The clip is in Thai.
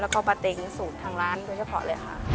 แล้วก็ปลาเต็งสูตรทางร้านโดยเฉพาะเลยค่ะ